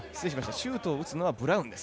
シュートを打つのはブラウンです。